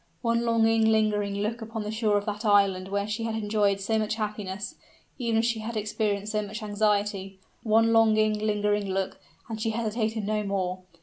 One longing, lingering look upon the shore of that island where she had enjoyed so much happiness, even if she had experienced so much anxiety; one longing, lingering look, and she hesitated no more.